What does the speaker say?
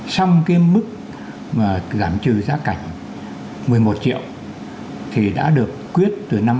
xong cái mức mà giảm trừ giá cảnh một mươi một triệu thì đã được quyết từ năm hai nghìn một mươi